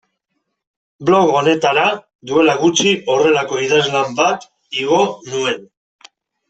Blog honetara duela gutxi horrelako idazlan bat igo nuen.